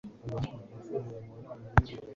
Se yakuye he amafaranga yo kwishyura Bordeaux?